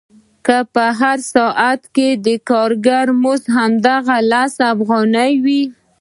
که په هر ساعت کې د کارګر مزد هماغه لس افغانۍ وي